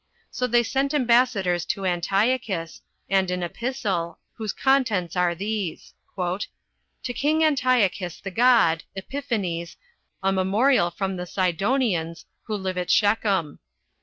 So they sent ambassadors to Antiochus, and an epistle, whose contents are these: "To king Antiochus the god, Epiphanes, a memorial from the Sidonians, who live at Shechem.